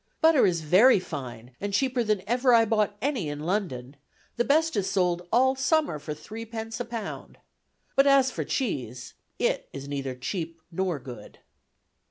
Butter is very fine, and cheaper than ever I bought any in London; the best is sold all summer for threepence a pound. But as for cheese, it is neither cheap nor good."